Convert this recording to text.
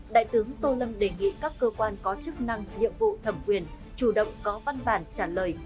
đại tướng tô lâm đề nghị các cơ quan có chức năng nhiệm vụ thẩm quyền chủ động có văn bản trả lời